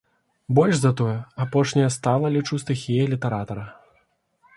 Больш за тое, апошняя стала, лічу, стыхіяй літаратара.